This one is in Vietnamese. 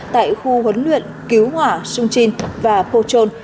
tại khu huấn luyện cứu hỏa sung chin và pochon